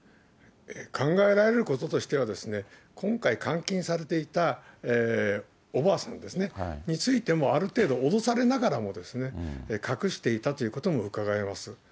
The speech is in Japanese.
考えられることとしては、今回、監禁されていたおばあさんですね、についても、ある程度、脅されながらも隠していたということもうかがえます。